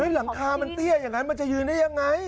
หลังคามันเตี้ยอย่างนั้นมันจะยืนได้ยังไง